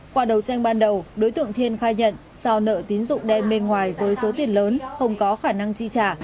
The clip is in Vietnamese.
qua đầu tranh ban đầu đối tượng thiên khai nhận do nợ tín dụng đen bên ngoài với số tiền lớn không có khả năng chi trả